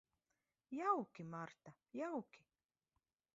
Jauki, Marta, jauki.